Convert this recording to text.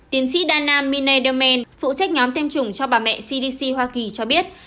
tiến sĩ đan nam minay delmen phụ trách nhóm tiêm chủng cho bà mẹ cdc hoa kỳ cho biết